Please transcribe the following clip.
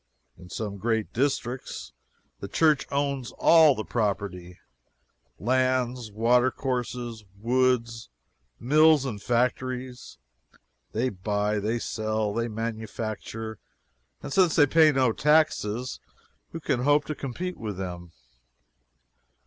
In some great districts the Church owns all the property lands, watercourses, woods, mills and factories. They buy, they sell, they manufacture, and since they pay no taxes, who can hope to compete with them?